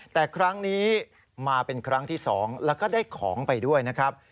แต่ครั้งนี้มาเป็นครั้งที่๒แล้วก็ได้ของไปด้วยนะครับ